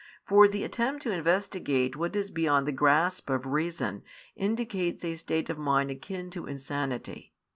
For the attempt to investigate what is beyond the grasp of reason indicates a state of mind akin to insanity.